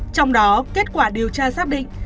trong đó kết quả điều tra xác định